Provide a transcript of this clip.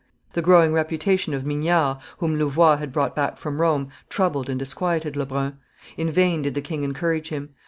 The growing reputation of Mignard, whom Louvois had brought back from Rome, troubled and disquieted Lebrun. In vain did the king encourage him.